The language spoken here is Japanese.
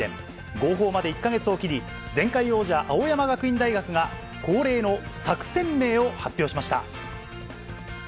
号砲まで１か月を切り、前回王者、青山学院大学が、恒例の作戦名を発表しました。